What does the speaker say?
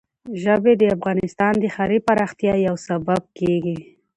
ژبې د افغانستان د ښاري پراختیا یو سبب کېږي.